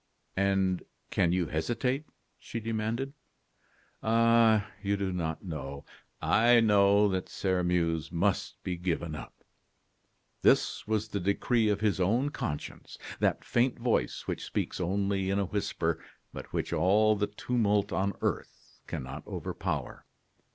"And can you hesitate?" she demanded. "Ah! you do not know " "I know that Sairmeuse must be given up." This was the decree of his own conscience, that faint voice which speaks only in a whisper, but which all the tumult on earth cannot overpower.